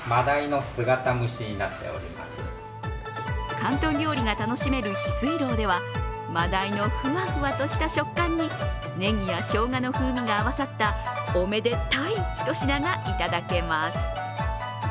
広東料理が楽しめる翡翠楼ではまだいのふわふわとした食感にねぎやしょうがの風味が合わさった、おめでたい一品がいただけます